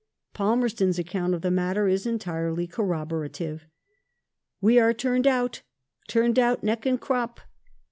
^ Palmerston's account of the matter is entirely corroborative :" We are all out ; turned out neck and crop.